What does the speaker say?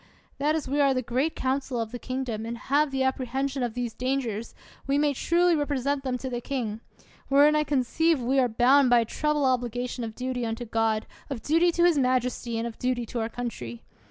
That as we are the great council of the kingdom, and have the apprehen sion of these dangers, we may truly represent them to the king; wherein I conceive we are bound by a treble obligation of duty unto God, of duty to his majesty, and of duty to our country.